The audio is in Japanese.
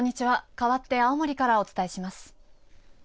かわって青森からお伝えします。